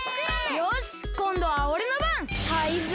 よしこんどはおれのばん！